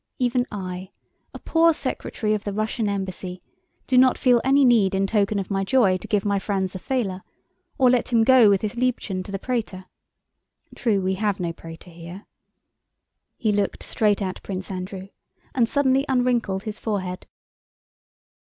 Even I, a poor secretary of the Russian Embassy, do not feel any need in token of my joy to give my Franz a thaler, or let him go with his Liebchen to the Prater... True, we have no Prater here..." He looked straight at Prince Andrew and suddenly unwrinkled his forehead.